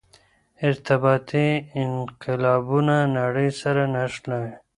ارتباطي انقلابونه نړۍ سره نښلوي.